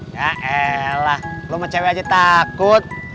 ya eh lah lo sama cewek aja takut